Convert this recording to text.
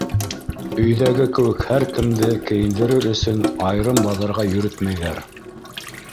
Өйҙәге кеүек һәр кемде кейендерер өсөн айырым баҙарға йөрөтмәйҙәр.